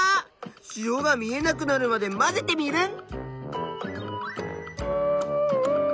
塩が見えなくなるまでまぜテミルン！